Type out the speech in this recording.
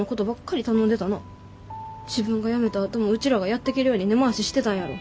自分が辞めたあともうちらがやってけるように根回ししてたんやろ。